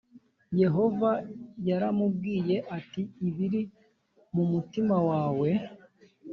yehova yaramubwiye ati ibiri mu mutima wawe